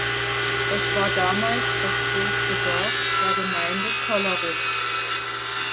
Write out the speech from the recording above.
Es war damals das größte Dorf der Gemeinde Kollerup.